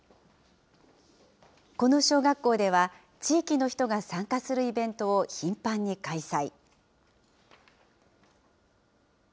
この小学校では地域の人が参加するイベントを頻繁に開催。